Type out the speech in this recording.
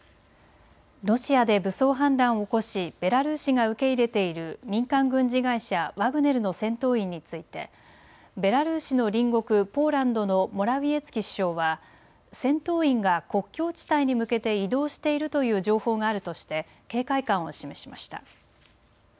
ロシアで武装反乱を起こしベラルーシが受け入れている民間軍事会社、ワグネルの戦闘員についてベラルーシの隣国、ポーランドのモラウィエツキ首相は戦闘員が国境地帯に向けて移動しているという情報があるとして警戒感を示しました。